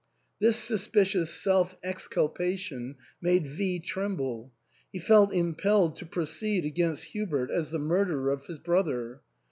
*' This suspicious self exculpation made V tremble ; he felt impelled to proceed against Hubert as the murderer of his brother.